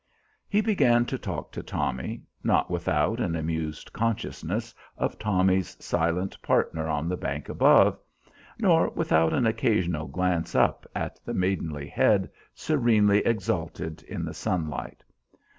He began to talk to Tommy, not without an amused consciousness of Tommy's silent partner on the bank above, nor without an occasional glance up at the maidenly head serenely exalted in the sunlight.